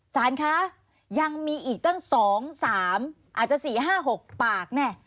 สารคะยังมีอีกตั้ง๒๓อาจจะ๔๕๖ปากแน่